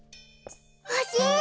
ほしい！